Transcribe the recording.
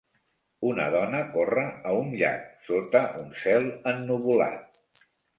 Una dona corre a un llac sota un cel ennuvolat.